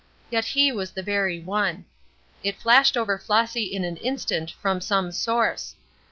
Yet he was the very one. It flashed over Flossy in an instant from some source.